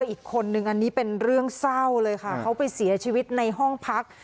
อีกคนนึงอันนี้เป็นเรื่องเศร้าเลยค่ะเขาไปเสียชีวิตในห้องพัก